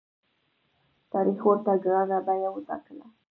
تاریخ ورته ګرانه بیه وټاکله.